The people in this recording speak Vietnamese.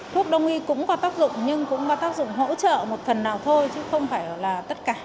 thuốc đông y cũng có tác dụng nhưng cũng có tác dụng hỗ trợ một phần nào thôi chứ không phải là tất cả